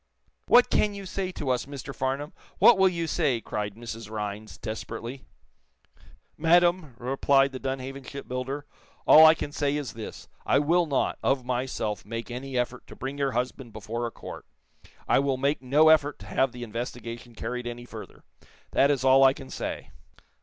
"What can you say to us, Mr. Farnum? What will you say?" cried Mrs. Rhinds, desperately. "Madame," replied the Dunhaven shipbuilder, "all I can say is this: I will not, of myself make any effort to bring your husband before a court. I will make no effort to have the investigation carried any further. That is all I can say.